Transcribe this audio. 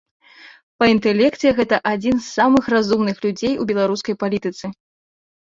Па інтэлекце гэта адзін з самых разумных людзей у беларускай палітыцы.